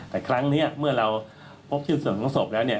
แต่ครั้งนี้เมื่อเราพบชิ้นส่วนของศพแล้วเนี่ย